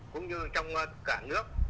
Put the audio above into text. cũng như trong cả nước